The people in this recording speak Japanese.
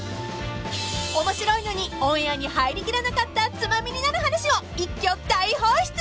［面白いのにオンエアに入りきらなかったツマミになる話を一挙大放出！］